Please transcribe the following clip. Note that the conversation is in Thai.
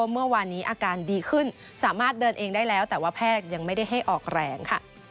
เมื่อวานนี้อาการดีขึ้นสามารถเดินเองได้แล้วแต่ว่าแพทย์ยังไม่ได้ให้ออกแรงค่ะ